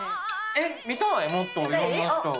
えっ見たいもっといろんな人を。